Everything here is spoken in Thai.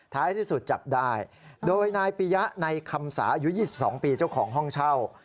ที่สุดจับได้โดยนายปียะในคำสาอายุ๒๒ปีเจ้าของห้องเช่า